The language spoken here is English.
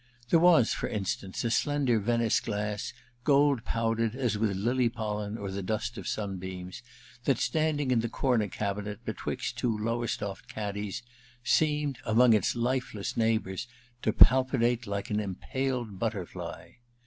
There was, for instance, a slender Venice glass, gold powdered as with lily pollen or the dust of sunbeams, that, standing in the corner cabinet betwixt two Lowestoft caddies, seemed, among its lifeless neighbours, to palpitate like an impaled butterfly.